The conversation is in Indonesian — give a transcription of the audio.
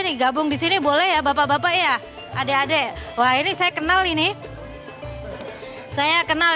nih gabung di sini boleh ya bapak bapak ya adik adik wah ini saya kenal ini saya kenal